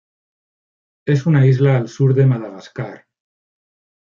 Es una isla al sur de Madagascar.